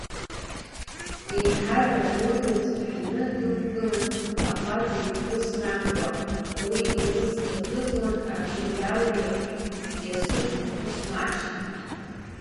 Еиҳарак лыбз ҭҳәаны дықәгылан ахәаџьа иԥҳәыс Нангәа, уи илыцлырӷызуан абжьагьала Иасыф иԥҳәыс Машьа.